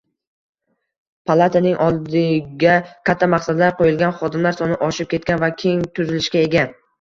Palataning oldiga katta maqsadlar qo'yilgan, xodimlar soni oshib ketgan va keng tuzilishga ega